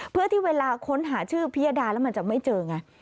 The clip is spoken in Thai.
เพื่อที่เวลาค้นหาชื่อพิยดาแล้วมันจะไม่เจอไง